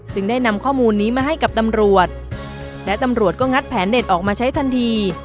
ได้นำข้อมูลนี้มาให้กับตำรวจและตำรวจก็งัดแผนเด็ดออกมาใช้ทันที